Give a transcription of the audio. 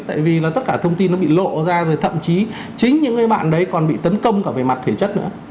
tại vì là tất cả thông tin nó bị lộ ra rồi thậm chí chính những cái bạn đấy còn bị tấn công cả về mặt thể chất nữa